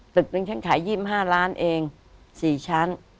ตึกนึงฉันขาย๒๕ล้านเอง๔ชั้น